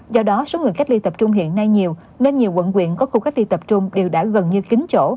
do đó số người cách ly tập trung hiện nay nhiều nên nhiều quận quyện có khu cách ly tập trung đều đã gần như kính chỗ